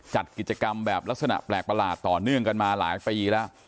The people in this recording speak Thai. จัดกิจกรรมแบบลักษณะแปลกประหลาดต่อเนื่องกันมาหลายปีแล้ว